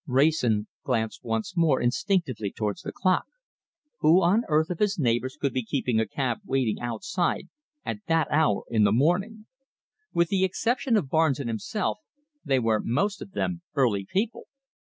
Wrayson glanced once more instinctively towards the clock. Who on earth of his neighbours could be keeping a cab waiting outside at that hour in the morning? With the exception of Barnes and himself, they were most of them early people.